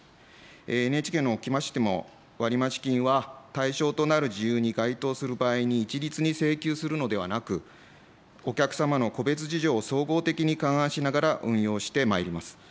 ＮＨＫにおきましても、割増金は対象となる事由に該当する場合に一律に請求するのではなく、お客様の個別事情を総合的に勘案しながら運用してまいります。